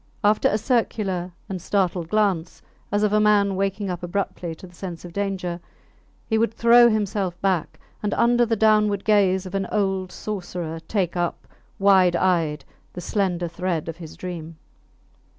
After a circular and startled glance, as of a man waking up abruptly to the sense of danger, he would throw himself back, and under the downward gaze of the old sorcerer take up, wide eyed, the slender thread of his dream.